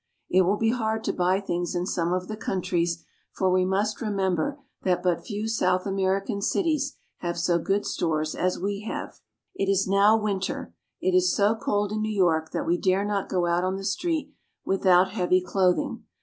It will be hard to buy things in some of the countries, for we must remem ber that but few South American cities have so good stores as we have. It is now winter. It is so cold in New York that we dare not go out on the street without heavy clothing.